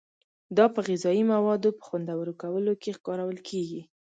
دا په غذایي موادو په خوندور کولو کې کارول کیږي.